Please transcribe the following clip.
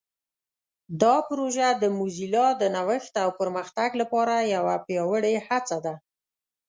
دا پروژه د موزیلا د نوښت او پرمختګ لپاره یوه پیاوړې هڅه ده.